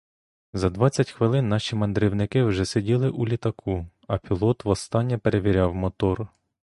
За двадцять хвилин наші мандрівники вже сиділи у літаку, а пілот востаннє перевіряв мотор.